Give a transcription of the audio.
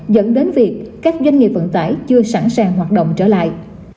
dẫn đến việc các doanh nghiệp vận tải chưa sẵn sàng hoạt động trở lại